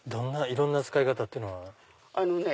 いろんな使い方っていうのは？